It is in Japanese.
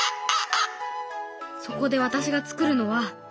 そこで私がつくるのは。